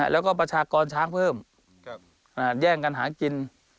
แล้วก็ประชากรช้างเพิ่มแย่งกันหากิน